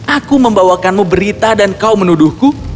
aku membawakanmu berita dan kau menuduhku